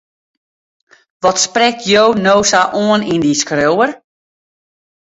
Wat sprekt jo no sa oan yn dy skriuwer?